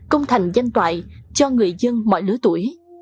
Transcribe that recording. công thành danh toại cho người dân mọi lứa tuổi